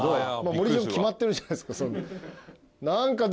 盛り塩に決まってるじゃないですか。